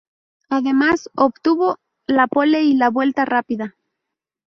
Además obtuvo la pole y la vuelta rápida.